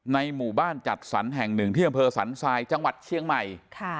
ในหมู่บ้านจัดสรรแห่ง๑เที่ยวบริเวณสรรษายจังหวัดเชียงใหม่